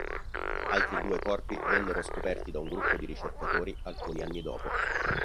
Altri due corpi vennero scoperti da un gruppo di ricercatori alcuni anni dopo.